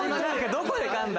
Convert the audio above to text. どこでかんだ？